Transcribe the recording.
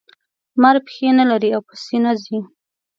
مار پښې نلري او په سینه ځي